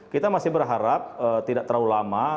kita masih berharap tidak terlalu lama